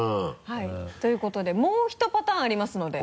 はいということでもうひとパターンありますので。